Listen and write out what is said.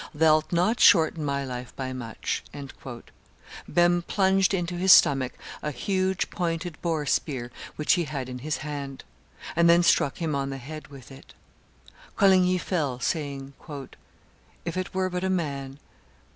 Thou'lt not shorten my life by much." Behme plunged into his stomach a huge pointed boar spear which he had in his hand, and then struck him on the head with it. Coligny fell, saying, "If it were but a man!